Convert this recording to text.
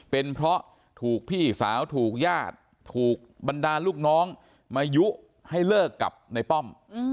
เป็นเพราะถูกพี่สาวถูกญาติถูกบรรดาลูกน้องมายุให้เลิกกับในป้อม